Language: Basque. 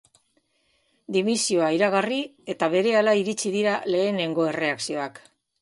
Dimisioa iragarri eta berehala iritsi dira lehenengo erreakzioak.